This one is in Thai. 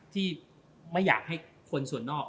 ที่ไม่อยากให้คนส่วนนอก